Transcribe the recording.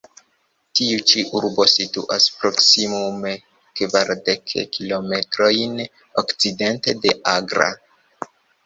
Tiu ĉi urbo situas proksimume kvardek kilometrojn okcidente de Agra.